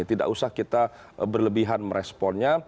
tidak usah kita berlebihan meresponnya